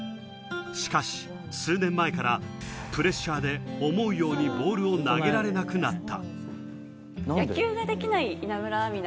しかし、数年前からプレッシャーで思うようにボールを投げられなくなった。